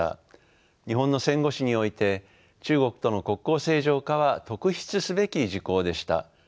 日本の戦後史において中国との国交正常化は特筆すべき事項でした。